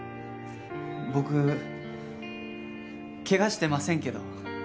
僕怪我してませんけど。